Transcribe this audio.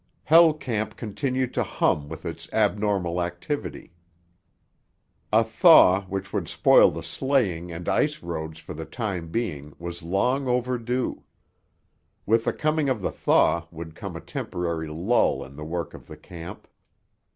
Hell Camp continued to hum with its abnormal activity. A thaw which would spoil the sleighing and ice roads for the time being was long over due. With the coming of the thaw would come a temporary lull in the work of the camp.